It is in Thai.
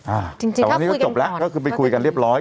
จริงจริงแต่วันนี้ก็จบแล้วก็คือไปคุยกันเรียบร้อย